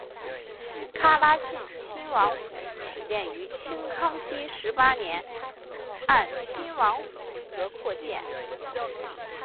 喀喇沁亲王府始建于清康熙十八年按亲王府规格扩建。